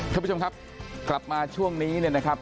ท่านผู้ชมครับกลับมาช่วงนี้เนี่ยนะครับ